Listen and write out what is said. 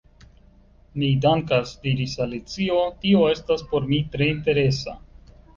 "Mi dankas," diris Alicio, "tio estas por mi tre interesa. »